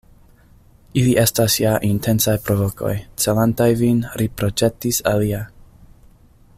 Ili estas ja intencaj provokoj, celantaj vin, riproĉetis alia.